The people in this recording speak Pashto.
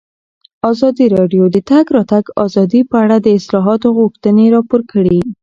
ازادي راډیو د د تګ راتګ ازادي په اړه د اصلاحاتو غوښتنې راپور کړې.